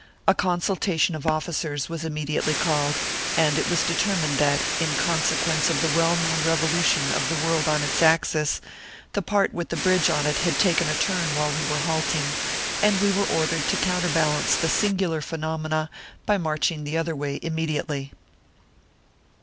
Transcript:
A consultation of officers was immediately called, and it was deter mined that, in consequence of the well known revo lution of the world on its axis, the part with the bridge on it had taken a turn while we were halting, and we were ordered to counterbalance the singular phenomena by marching the other way immediately.